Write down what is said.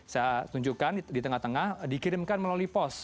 saya tunjukkan di tengah tengah dikirimkan melalui pos